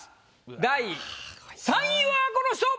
第３位はこの人！